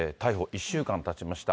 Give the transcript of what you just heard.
１週間たちました。